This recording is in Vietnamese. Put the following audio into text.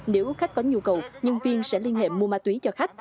nếu khách có nhu cầu nhân viên sẽ liên hệ mua ma túy cho khách